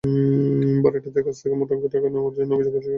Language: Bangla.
ভাড়াটেদের কাছ থেকে মোটা অঙ্কের টাকা নেওয়ার অভিযোগ অস্বীকার করেন তিনি।